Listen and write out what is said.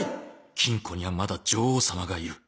金庫にはまだ女王様がいる